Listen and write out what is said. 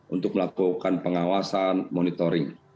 untuk melakukan pengawasan monitoring